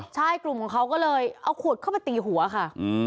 ใช่กลุ่มของเขาก็เลยเอาขวดเข้าไปตีหัวค่ะ